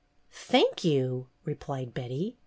"Thank you!" replied Betty.